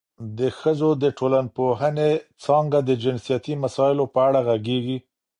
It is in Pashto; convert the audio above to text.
د ښځو د ټولنپوهنې څانګه د جنسیتي مسایلو په اړه غږېږي.